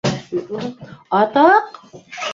А-т-а-а-ҡ!